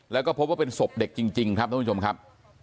แล้วก็พบว่าเป็นศพเด็กจริงครับท่านผู้ชมครับ